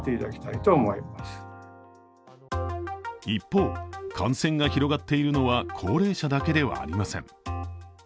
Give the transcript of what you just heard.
一方、感染が広がっているのは高齢者だけではありません。